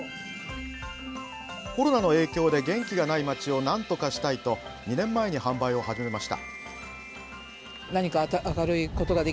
コロナの影響で元気がない町をなんとかしたいと２年前に販売を始めました。